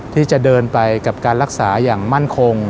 ที่จะเดินไปกับการรักษาอย่างมั่นคง